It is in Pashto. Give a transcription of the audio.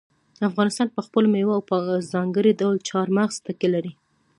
افغانستان په خپلو مېوو او په ځانګړي ډول چار مغز تکیه لري.